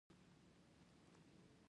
ښارونه د افغانستان د ملي هویت نښه ده.